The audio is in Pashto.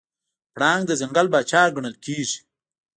پړانګ د ځنګل پاچا ګڼل کېږي.